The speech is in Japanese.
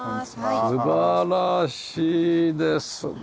素晴らしいですね。